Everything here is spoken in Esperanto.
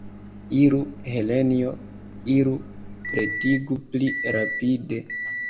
Iru, Helenjo, iru, pretigu pli rapide.